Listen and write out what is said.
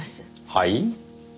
はい？